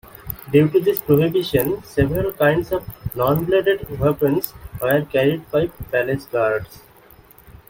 Due to this prohibition, several kinds of non-bladed weapons were carried by palace guards.